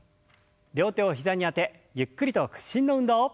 両手を膝にあてゆっくりと屈伸の運動。